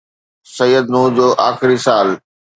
سيد نور جو آخري سال